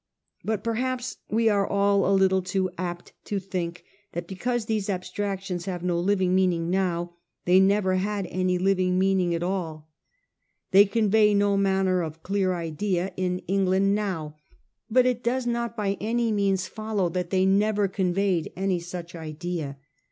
But perhaps we are all a little too apt to think that because these abstractions have no living m eaning now, they never had any living meaning at all. They convey no maimer of clear idea in Eng 108 A HISTORY OF OUR OWN TIMES. era, r. land now, but it does not by any means follow tbat they never conveyed any sucb idea.